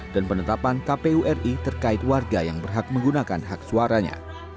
dan penetapan kpu ri terkait warga yang berhak menggunakan hak suaranya